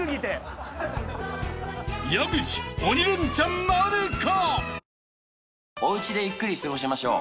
［矢口鬼レンチャンなるか？］